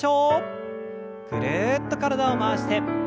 ぐるっと体を回して。